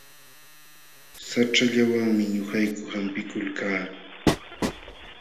Saćhallawanmi ñuqayku sampikulkaa.